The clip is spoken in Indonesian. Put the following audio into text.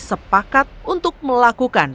sepakat untuk melakukan